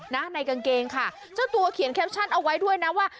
ในกางเกงค่ะเจ้าตัวเขียนแคปชั่นเอาไว้ด้วยนะว่า